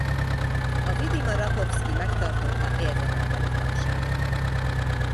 A Vidima-Rakovszki megtartotta élvonalbeli tagságát.